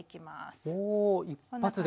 お一発で。